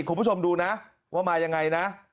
คุณผู้ชมดูนะว่ามายังไงนะ